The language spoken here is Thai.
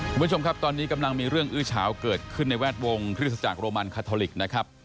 คุณผู้ชมครับตอนนี้กำลังมีเรื่องอื้อเฉาเกิดขึ้นในแวดวงคริสตจักรโรมันคาทอลิกนะครับ